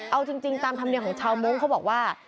เอาจริงตามธรรมเนียมของชาวมงค์เขาบอกว่า